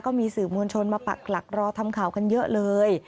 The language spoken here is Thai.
สื่อมวลชนมาปักหลักรอทำข่าวกันเยอะเลย